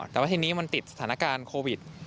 แต่ว่าทีนี้มันติดสถานการณ์โควิด